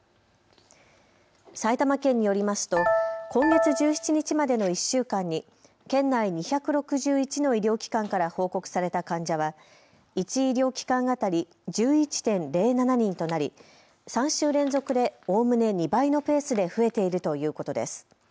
埼玉県によりますと今月１７日までの１週間に県内２６１の医療機関から報告された患者は１医療機関当たり１１．０７人となり３週連続でおおむね２倍のペースで増えているということです。